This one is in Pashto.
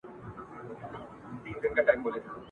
د هر خره به ورته جوړه وي لغته !.